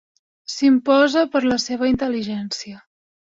S'imposa per la seva intel·ligència.